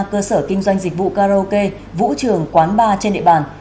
cơ sở kinh doanh dịch vụ karaoke vũ trường quán bar trên địa bàn